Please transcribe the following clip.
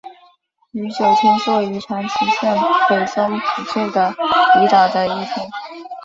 宇久町是位于长崎县北松浦郡的离岛的一町。